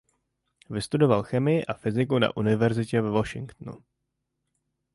Vystudoval chemii a fyziku na univerzitě ve Washingtonu.